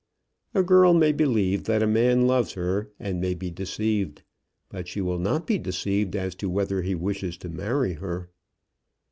A girl may believe that a man loves her, and may be deceived; but she will not be deceived as to whether he wishes to marry her.